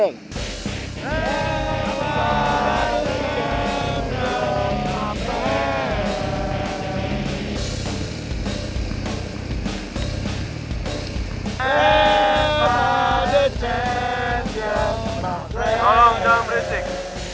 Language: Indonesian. tolong jangan berisik